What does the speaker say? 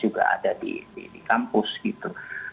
juga ada di kampus gitu